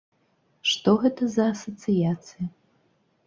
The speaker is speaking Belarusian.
Што гэта за асацыяцыя?